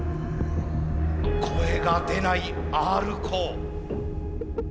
声が出ないＲコー。